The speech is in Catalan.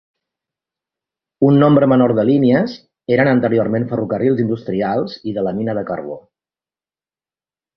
Un nombre menor de línies eren anteriorment ferrocarrils industrials i de la mina de carbó.